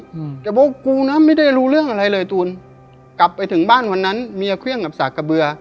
อืมจะบอกกูนะไม่ได้รู้เรื่องอะไรเลยตูนกลับไปถึงบ้านวันนั้นเมียเครื่องกับสากกระเบือ